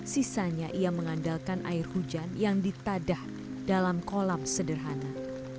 sisanya ia mengandalkan air hujan yang ditadah dalam kolam sederhana